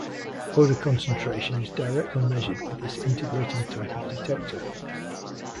Odor concentration is directly measured with this integrating type of detector.